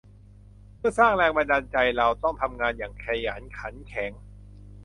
เพื่อสร้างแรงบันดาลใจเราต้องทำงานอย่างขยันขันแข็ง